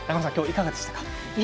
いかがでしたか？